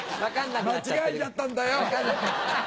間違えちゃったんだよ。